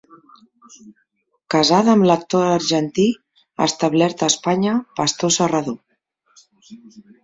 Casada amb l'actor argentí establert a Espanya Pastor Serrador.